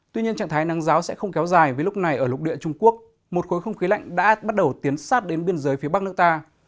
tuy nhiên trạng thái nắng giáo sẽ không kéo dài vì lúc này ở lục địa trung quốc một khối không khí lạnh đã bắt đầu tiến sát đến biên giới phía bắc nước ta